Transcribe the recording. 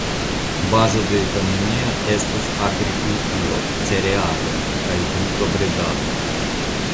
Bazo de ekonomio estas agrikulturo (cerealoj) kaj brutobredado.